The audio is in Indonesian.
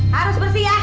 harus bersih ya